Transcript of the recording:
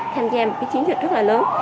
tham gia một cái chiến dịch rất là lớn